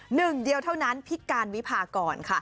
หนึ่งเดียวเท่านั้นพี่การวิพากรค่ะ